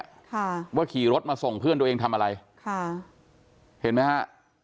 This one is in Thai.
ค่ะว่าขี่รถมาส่งเพื่อนตัวเองทำอะไรค่ะเห็นไหมฮะ